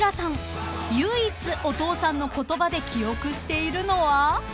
［唯一お父さんの言葉で記憶しているのは］